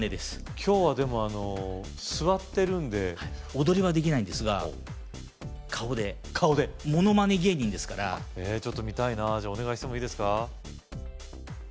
今日はでもあの座ってるんで踊りはできないんですが顔で顔でものまね芸人ですからちょっと見たいなじゃあお願いしてもいいですか？